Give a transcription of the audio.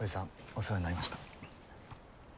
お世話になりました。